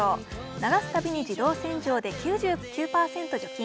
流すたびに自動洗浄で９９％除菌！